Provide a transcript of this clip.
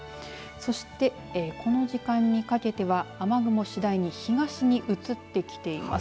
そして、この時間にかけては雨雲次第に東に移ってきています。